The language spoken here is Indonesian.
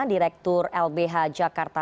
direktur lbh jakarta